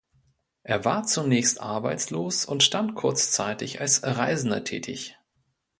Er war zunächst arbeitslos und dann kurzzeitig als Reisender tätig.